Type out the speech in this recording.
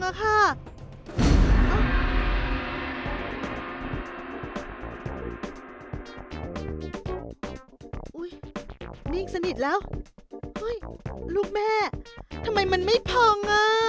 นี่สนิทแล้วลูกแม่ทำไมมันไม่พองอ่ะ